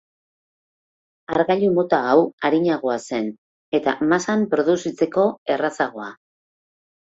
Hargailu mota hau arinagoa zen eta masan produzitzeko errazagoa.